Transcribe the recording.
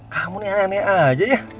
kamu nih aneh aja ya